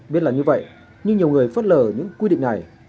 biết là như vậy nhưng nhiều người phớt lờ những quy định này